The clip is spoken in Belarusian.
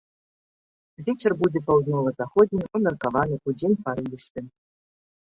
Вецер будзе паўднёва-заходні ўмеркаваны, удзень парывісты.